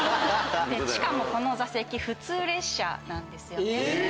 しかもこの座席普通列車なんですよね。